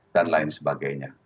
dan lain sebagainya